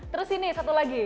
terus ini satu lagi